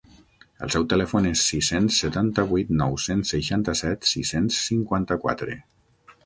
El seu telèfon és sis-cents setanta-vuit nou-cents seixanta-set sis-cents cinquanta-quatre.